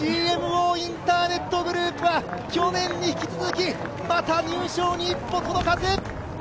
ＧＭＯインターネットグループは去年に引き続き、また入賞に一歩届かず。